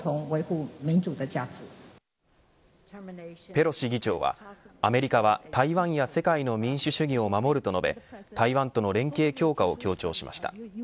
ペロシ議長はアメリカは台湾や世界の民主主義を守ると述べ台湾との連携強化を強調しました。